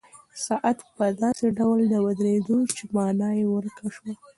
ساعت په داسې ډول ودرېد چې مانا یې ورکه شوه.